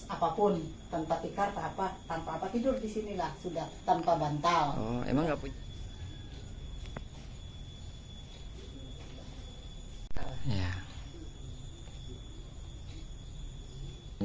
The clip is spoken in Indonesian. apapun tanpa tikar tanpa apa tidur di sini lah sudah tanpa bantal emang enggak punya